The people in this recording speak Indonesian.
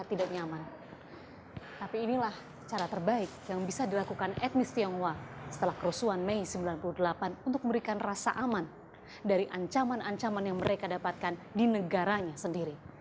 tapi inilah cara terbaik yang bisa dilakukan etnis tionghoa setelah kerusuhan mei sembilan puluh delapan untuk memberikan rasa aman dari ancaman ancaman yang mereka dapatkan di negaranya sendiri